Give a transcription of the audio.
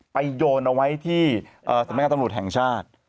ไปโยนเอาไว้ที่สมัยการตำรวจแห่งชาติ